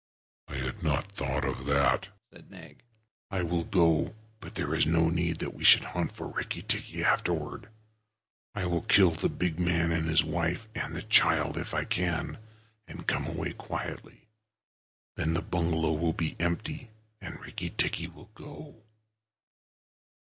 "I had not thought of that," said Nag. "I will go, but there is no need that we should hunt for Rikki tikki afterward. I will kill the big man and his wife, and the child if I can, and come away quietly. Then the bungalow will be empty, and Rikki tikki will go."